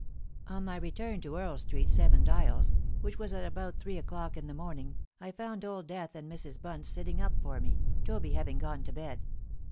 "On my return to Earl Street, Seven Dials, which was at about three o'clock in the morning, I found Old Death and Mrs. Bunce sitting up for me, Toby having gone to bed.